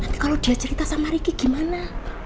nanti kalau dia cerita sama ricky gimana